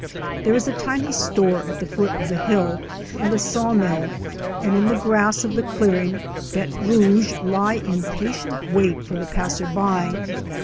There is a tiny store at the foot of the hill, and a saw mill, and in the grass of the clearing, béte rouge lie in patient wait for the passer by.